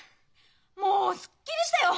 もうすっきりしたよ！